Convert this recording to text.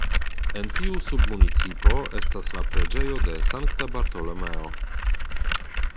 En tiu submunicipo estas la preĝejo de Sankta Bartolomeo.